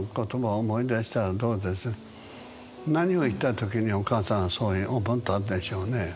何を言ったときにお母さんはそう思ったんでしょうね。